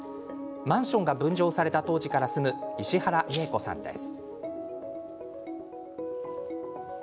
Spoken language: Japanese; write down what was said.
マンションが分譲された当時から住む、石原美重子さんです。